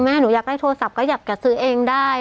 หนูอยากได้โทรศัพท์ก็อยากจะซื้อเองได้